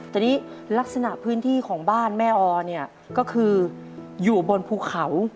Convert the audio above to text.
แต่นี่ลักษณะพื้นที่ของบ้านแม่ออเนี่ยก็คืออยู่บนภูเขา